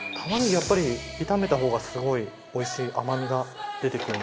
やっぱり炒めた方がすごいおいしい甘みが出てくるので。